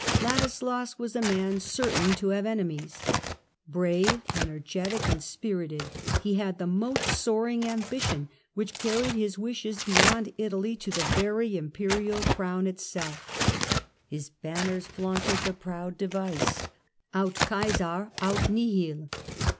Ladislas was a man certain to have enemies. Brave, energetic, and spirited, he had the most soaring ambition, which carried his wishes beyond Italy to the very Imperial crown itself ; his banners flaunted the proud device :" Aut Caesar, aut Nihil